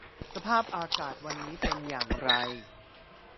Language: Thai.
สภาพอากาศวันนี้เป็นอย่างไร